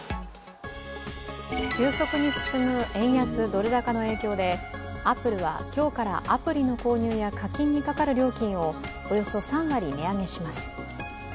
急速に進む円安ドル高の影響でアップルは今日からアプリの購入や課金にかかる料金をおよそ３割値上げします。